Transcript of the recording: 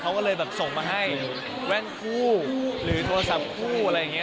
เขาก็เลยแบบส่งมาให้แว่นคู่หรือโทรศัพท์คู่อะไรอย่างนี้